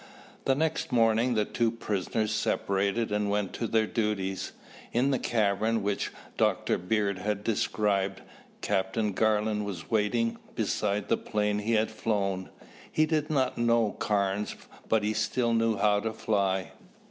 The next morning the two prisoners separated and went to their duties. In the cavern which Dr. Bird had described, Captain Garland was waiting beside the plane he had flown. He did not know Carnes, but he still knew how to fly.